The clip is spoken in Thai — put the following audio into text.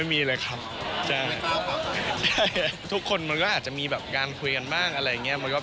มีใครพาไปพบคุณแม่หรือเปล่า